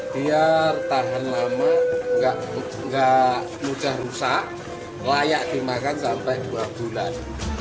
biar tahan lama nggak mudah rusak layak dimakan sampai dua bulan